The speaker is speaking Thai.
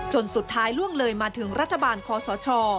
สุดท้ายล่วงเลยมาถึงรัฐบาลคอสช